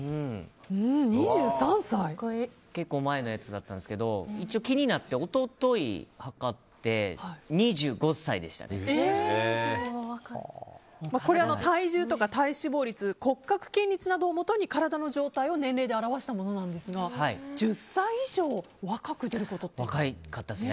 結構前のやつだったんですけど一応気になって、一昨日測ってこれは体重とか体脂肪率骨格筋率などをもとに体の状態を年齢で表したものなんですが１０歳以上若く出ることって。